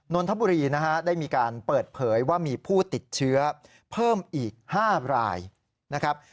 นนทบุรีนะฮะได้มีการเปิดเผยว่ามีผู้ติดเชื้อเพิ่มอีก๕รายนะครับ